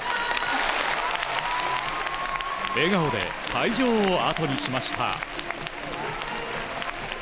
笑顔で会場を後にしました。